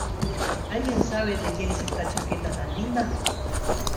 ¿Alguien sabe de quién es esta chaqueta tan linda?